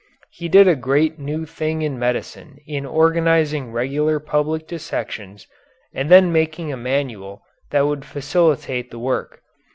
He did a great new thing in medicine in organizing regular public dissections, and then in making a manual that would facilitate the work.